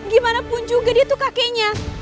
gimana pun juga dia tuh kakeknya